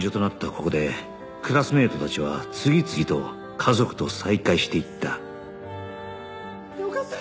ここでクラスメートたちは次々と家族と再会していったよかった！